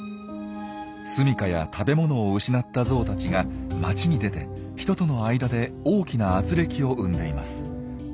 住みかや食べ物を失ったゾウたちが街に出て人との間で大きな軋轢を生んでいます。